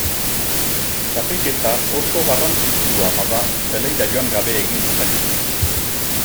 Txapelketa oso garrantzitsua bada zelaira joan gabe egin dezakezu.